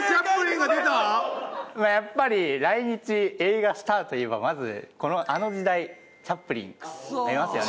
やっぱり「来日」「映画スター」といえばまずあの時代チャップリンありますよね。